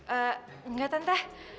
eh enggak tante